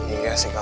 iya sih kal